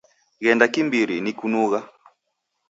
Ghenda kimbiri, nikunugha